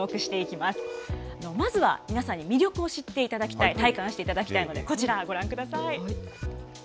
まずは、皆さんに魅力を知っていただきたい、体感していただきたいので、こちらご覧ください。